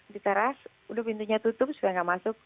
diteras udah pintunya tutup sudah nggak masuk